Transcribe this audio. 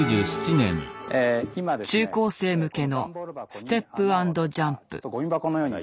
中高生向けの「ステップ＆ジャンプ」。